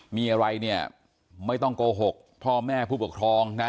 มีอะไรเนี่ยไม่ต้องโกหกพ่อแม่ผู้ปกครองนะ